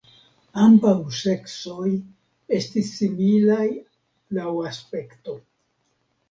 Ambaŭ seksoj estis similaj laŭ aspekto.